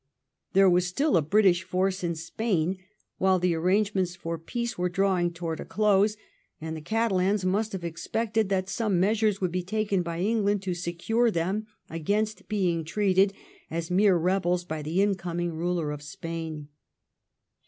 There was still a British force in Spain while the arrangements for peace were drawing to wards a close, and the Catalans must have expected that some measures would be taken by England to secure them against being treated as mere rebels by the incoming ruler of Spain.